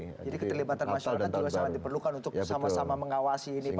jadi keterlibatan masyarakat juga sangat diperlukan untuk sama sama mengawasi ini pak